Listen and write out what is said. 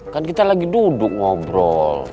kan kita lagi duduk ngobrol